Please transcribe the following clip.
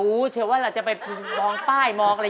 รู้เชียวว่าจะไปมองป้ายมองอะไร